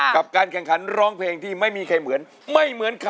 กว่าจะจบรายการเนี่ย๔ทุ่มมาก